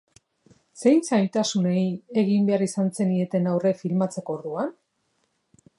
Zein zailtasuni egin behar izan zenieten aurre filmatzeko orduan?